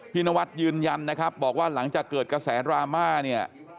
นวัดยืนยันนะครับบอกว่าหลังจากเกิดกระแสดราม่าเนี่ย